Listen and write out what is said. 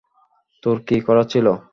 তোর কী করার ছিল?